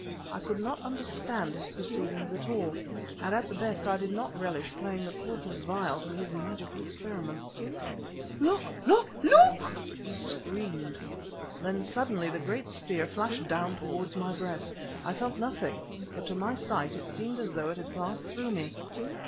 I could not understand his proceedings at all, and at the best I did not relish playing the corpus vile to his magical experiments. "Look! look! look!" he screamed. Then suddenly the great spear flashed down towards my breast. I felt nothing, but, to my sight, it seemed as though it had passed through me.